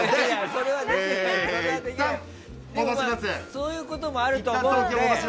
そういうこともあると思うけどね。